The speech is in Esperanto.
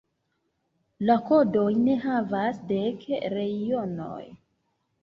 La kodojn havas dek reionoj.